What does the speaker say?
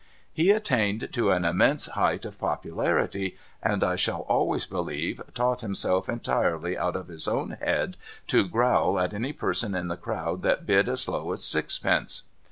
He attained to an immense height of popularity, and I shall always believe taught himself entirely out of his own head to growl at any person in the crowd that bid as low as sixpence.